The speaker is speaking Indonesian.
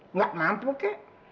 enggak mampu kak